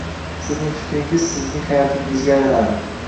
Sizning fikrlaringiz sizning hayotingizga aylanadi.